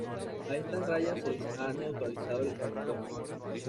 A estas rayas se les ha neutralizado el aguijón.